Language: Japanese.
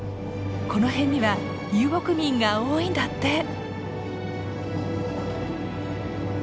この辺には遊牧民が多いんだって。